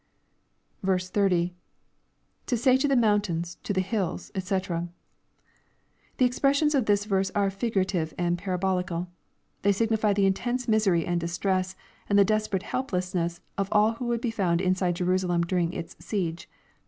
466 EXPOSITORY THOUGHTS. 30. —[^ aay to the mountain8...to the hiUs, <j&c.] The expressions of tliis verpe are figurative and parabolicall They signify the intense misery and distress, and the desperate helplessness of all who would be found inside Jerusalem during its siege.